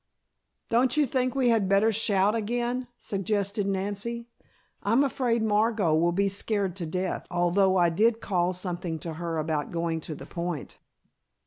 "Don't you think we had better shout again?" suggested Nancy. "I'm afraid Margot will be scared to death, although I did call something to her about going to the Point."